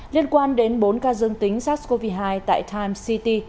liên quan đến bốn ca dương tính sars cov hai tại times city